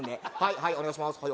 はいお願いしまーす